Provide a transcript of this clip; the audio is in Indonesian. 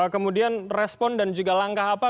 kemudian respon dan juga langkah apa